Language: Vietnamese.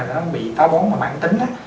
nó bị táo bón mà mãn tính á